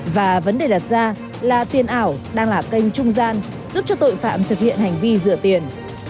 và vấn đề đặt ra là tiền ảo đang là kênh trung gian giúp cho tội phạm thực hiện hành vi rửa tiền